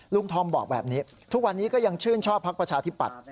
ธอมบอกแบบนี้ทุกวันนี้ก็ยังชื่นชอบพักประชาธิปัตย